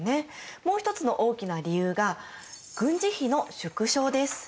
もう一つの大きな理由が軍事費の縮小です。